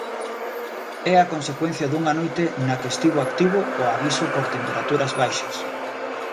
É a consecuencia dunha noite na que estivo activo o aviso por temperaturas baixas.